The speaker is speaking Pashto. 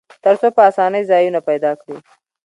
تر څو په آسانۍ ځایونه پیدا کړي.